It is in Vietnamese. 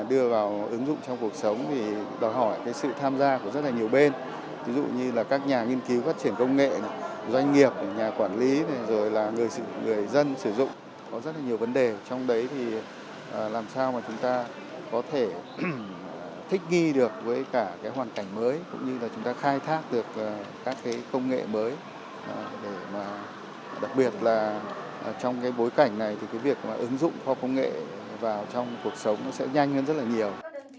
đặc biệt là trong bối cảnh này việc ứng dụng khoa học và công nghệ vào trong cuộc sống sẽ nhanh hơn rất nhiều